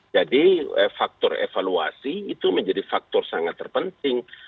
jadi faktor evaluasi itu menjadi faktor sangat terpenting